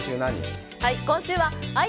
今週は何？